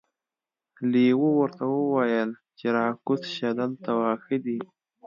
لیوه ورته وویل چې راکوزه شه دلته واښه دي.